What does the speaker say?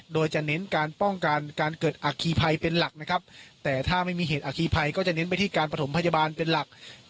โดยจะเน้นการป้องกันการเกิดอัคคีภัยเป็นหลักนะครับแต่ถ้าไม่มีเหตุอาคีภัยก็จะเน้นไปที่การประถมพยาบาลเป็นหลัก